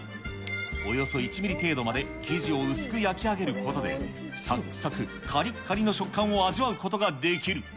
およそ１ミリ程度まで生地を薄く焼き上げることで、さっくさく、かりっかりの食感を味わうことができる。